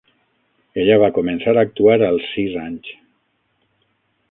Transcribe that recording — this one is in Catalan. Ella va començar a actuar als sis anys.